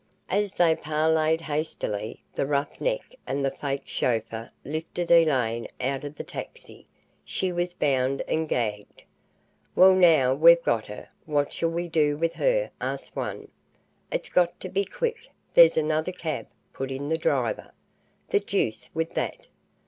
As they parleyed hastily, the rough neck and the fake chauffeur lifted Elaine out of the taxi. She was bound and gagged. "Well, now we've got her, what shall we do with her?" asked one. "It's got to be quick. There's another cab," put in the driver. "The deuce with that."